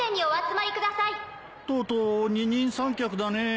とうとう二人三脚だね。